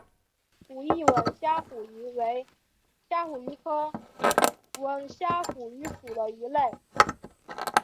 武义吻虾虎鱼为虾虎鱼科吻虾虎鱼属的鱼类。